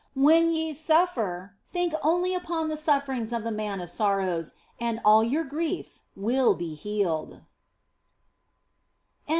When ye suffer, think only upon the sufferings of the Man of Sorrows, and all your own griefs will be healed.